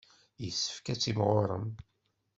Yessefk ad timɣurem.